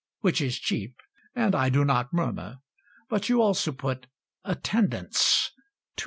Which is cheap; And I do not murmur; But you also put Attendance, 2s.